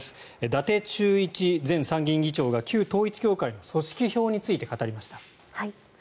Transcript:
伊達忠一前参議院議長が旧統一教会の組織票について語りました。